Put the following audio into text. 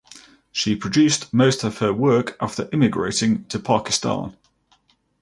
She produced most of her work after immigrating to Pakistan.